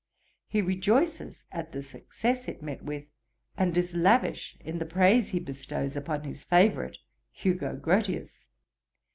He rejoices at the success it met with, and is lavish in the praise he bestows upon his favourite, Hugo Grotius.